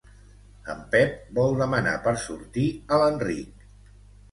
En Pep vol demanar per sortir a l'Enric.